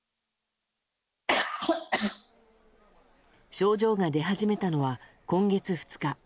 症状が出始めたのは今月２日。